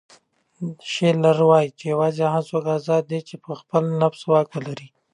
شیلر وایي چې یوازې هغه څوک ازاد دی چې په خپل نفس واک ولري.